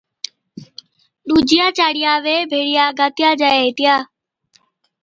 ڏوجِيا چاڙيا وي ڀيڙِيا گاتِيا جائي ھِتيا